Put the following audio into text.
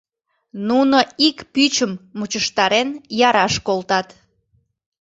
Нуно ик пӱчым, мучыштарен, яраш колтат.